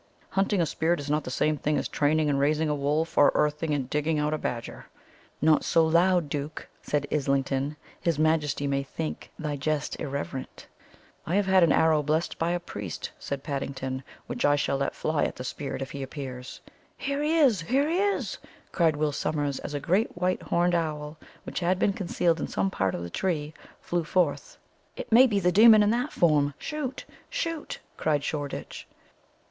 "Hunting a spirit is not the same thing as training and raising a wolf, or earthing and digging out a badger." "Not so loud, duke," said Islington; "his majesty may think thy jest irreverent." "I have an arrow blessed by a priest," said Paddington, "which I shall let fly at the spirit if he appears." "Here he is here he is!" cried Will Sommers, as a great white horned owl, which had been concealed in some part of the tree, flew forth. "It may be the demon in that form shoot! shoot!" cried Shoreditch.